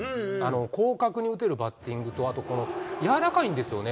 広角に打てるバッティングと、あと柔らかいんですよね。